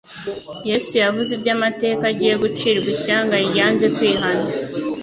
Yesu yavuze iby'amateka agiye gucirwa ishyanga ryanze kwihana.